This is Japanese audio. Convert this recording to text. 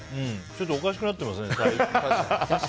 ちょっとおかしくなってますね。